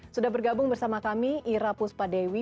sudah bergabung bersama kami ira puspadewi